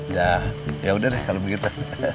ya yaudah deh kalau begitu